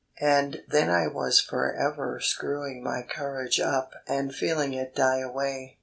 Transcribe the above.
And then I was forever screwing my courage up and feeling it die away.